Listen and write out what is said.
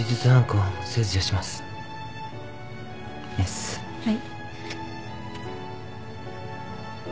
はい。